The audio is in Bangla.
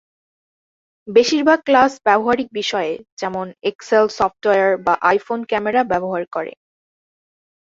বেশিরভাগ ক্লাস ব্যবহারিক বিষয়ে যেমন এক্সেল সফ্টওয়্যার বা আইফোন ক্যামেরা ব্যবহার করে।